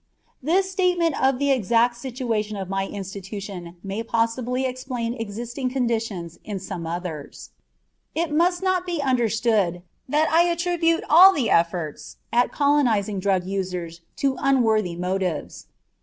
This statement of the exact situation in my own institution may possibly explain existing conditions in some others. It must not be understood that I attribute all the efforts at colonizing drug users to unworthy motives.